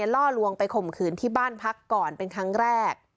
ล่อลวงไปข่มขืนที่บ้านพักก่อนเป็นครั้งแรก